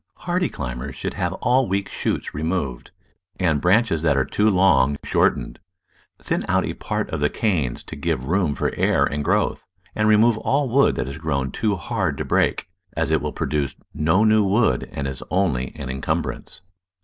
Hardy climbers should have all weak shoots re moved, and branches that are too long shortened. Thin out a part of the canes to give room for air and growth, and remove all wood that has grown too hard to break, as it will produce no new wood and is only an incumbrance.